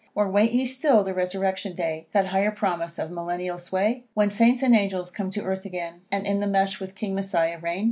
Or wait ye still the resurrection day, That higher promise of Millennial sway? When Saints and angels come to earth again, And in the Mesh with King Messiah reign?